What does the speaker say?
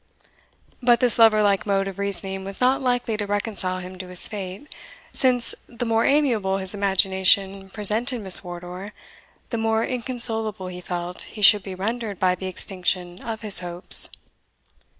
But this lover like mode of reasoning was not likely to reconcile him to his fate, since the more amiable his imagination presented Miss Wardour, the more inconsolable he felt he should be rendered by the extinction of his hopes.